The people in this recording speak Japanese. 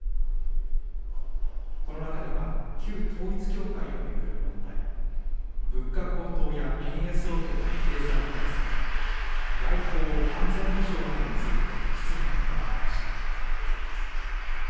この中では、旧統一教会を巡る問題、物価高騰や円安を受けた経済対策、外交・安全保障などについて質疑が行われました。